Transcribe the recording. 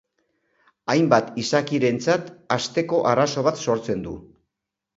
Hainbat izakirentzat hazteko arazo bat sortzen du.